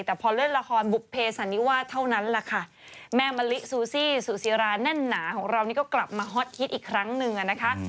แต่พอเล่นละครบุภเพสันนิวาสเท่านั้นแหละค่ะแม่มะลิซูซี่ซูซีราแน่นหนาของเรานี่ก็กลับมาฮอตฮิตอีกครั้งหนึ่งอ่ะนะคะ